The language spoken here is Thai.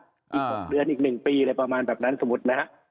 อีก๖เดือนอีก๑ปีอะไรประมาณแบบนั้นสมมุตินะฮะ